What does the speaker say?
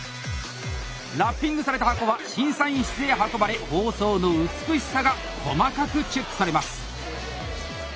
ラッピングされた箱は審査員室へ運ばれ包装の美しさが細かくチェックされます！